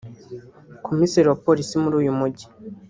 Komiseri wa Polisi muri uyu mujyi